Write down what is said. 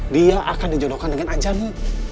dia akan dijodohkan dengan ancaman